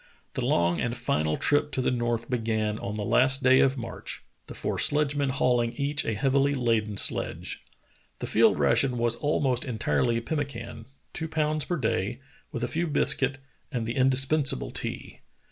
The long and final trip to the north began on the Dr. Rae and the Franklin Mystery 147 last day of March, the four sledgemen hauling each a heavily laden sledge. The field ration was almost en tirely pemmican, two pounds per day, with a few bis cuit and the indispensable tea.